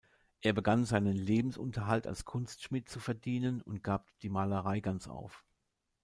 Er begann seinen Lebensunterhalt als Kunstschmied zu verdienen und gab die Malerei ganz auf.